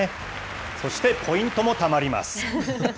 そして、ポイントもたまります。